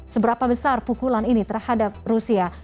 seberapa besar pukulan ini terhadap rusia